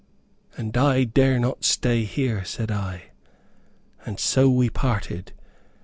"And I dare not stay here," said I, and so we parted.